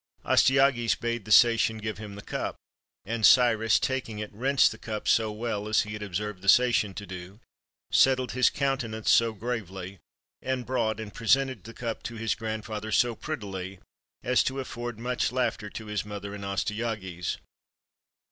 Astyages bade the Sacian give him the cup ; and Cyrus, taking it, rinsed the cup so well, as he had observed the Sacian to do, settled his countenance so gravely, and brought and presented the cup to his grandfather so prettily as to afford much laughter to his mother and Astyages.